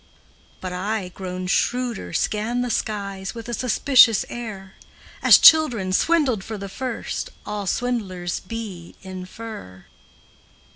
But I, grown shrewder, scan the skies With a suspicious air, As children, swindled for the first, All swindlers be, infer.